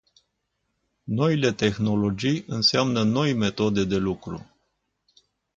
Noile tehnologii înseamnă noi metode de lucru.